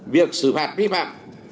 việc xử phạt vi phạm